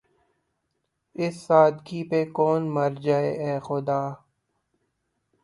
اس سادگی پہ کون مر جائے‘ اے خدا!